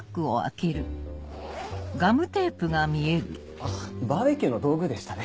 あっバーベキューの道具でしたね。